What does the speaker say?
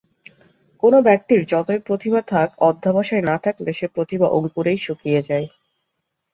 কোনো ব্যক্তির যতই প্রতিভা থাক, অধ্যবসায় না থাকলে সে প্রতিভা অঙ্কুরেই শুকিয়ে যায়।